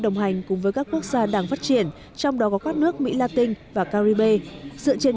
đồng hành cùng với các quốc gia đang phát triển trong đó có các nước mỹ la tinh và caribe dựa trên